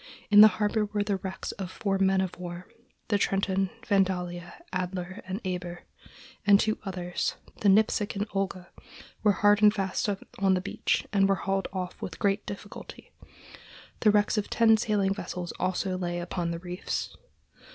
In the harbor were the wrecks of four men of war: the Trenton, Vandalia, Adler, and Eber; and two others, the Nipsic and Olga, were hard and fast on the beach and were hauled off with great difficulty. The wrecks of ten sailing vessels also lay upon the reefs.